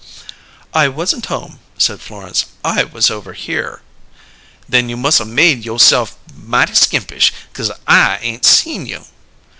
"I wasn't home," said Florence. "I was over here." "Then you mus' 'a' made you'se'f mighty skimpish, 'cause I ain't seen you!"